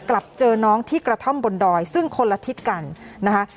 กลับเจอน้องที่กระท่อมบนดอยซึ่งคนละทิศกันนะคะ